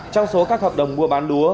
trong số các hợp đồng mua bán lúa